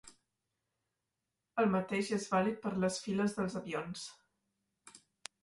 El mateix és vàlid per les files dels avions.